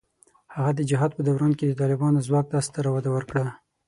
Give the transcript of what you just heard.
هغه د جهاد په دوران کې د طالبانو ځواک ته ستره وده ورکړه.